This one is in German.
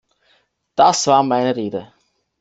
Das war meine Rede.